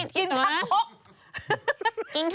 กินคางคก